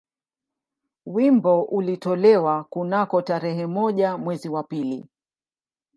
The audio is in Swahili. Wimbo ulitolewa kunako tarehe moja mwezi wa pili